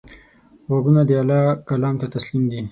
غوږونه د الله کلام ته تسلیم دي